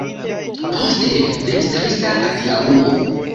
Poste venis trista adiaŭo.